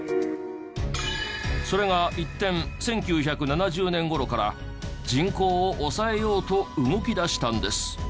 それが一転１９７０年頃から人口を抑えようと動きだしたんです。